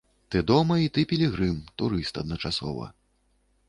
Ты дома і ты пілігрым, турыст адначасова.